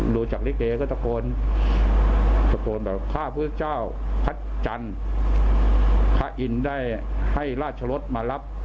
ดูจากลิเกก็ตะโกนตะโกนแบบข้าพุทธเจ้าพระจันทร์พระอินทร์ได้ให้ราชรสมารับ